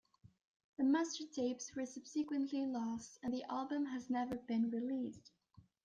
The master tapes were subsequently lost and the album has never been released.